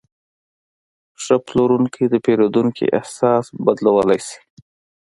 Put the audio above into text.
ښه پلورونکی د پیرودونکي احساس بدلولی شي.